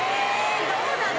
どうなの？